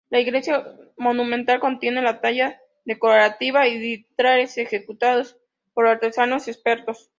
La iglesia monumental contiene la talla decorativa y vitrales ejecutados por artesanos expertos.